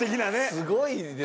すごいね。